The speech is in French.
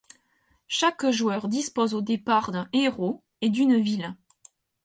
Chaque joueur dispose au départ d'un héros et d'une ville.